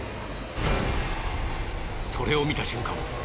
それを見た瞬間